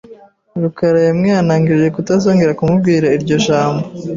Rukara yamwihanangirije kutazongera kumubwira iryo jambo,